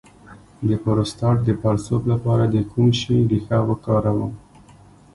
د پروستات د پړسوب لپاره د کوم شي ریښه وکاروم؟